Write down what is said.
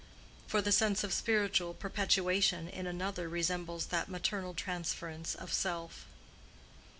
—for the sense of spiritual perpetuation in another resembles that maternal transference of self.